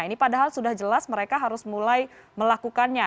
ini padahal sudah jelas mereka harus mulai melakukannya